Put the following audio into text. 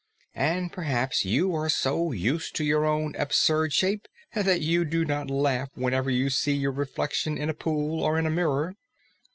And perhaps you are so used to your own absurd shape that you do not laugh whenever you see your reflection in a pool or in a mirror."